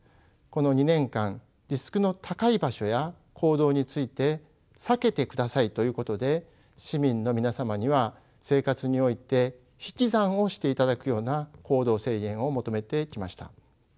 この２年間リスクの高い場所や行動について避けてくださいということで市民の皆様には生活において引き算をしていただくような行動制限を求めてきました。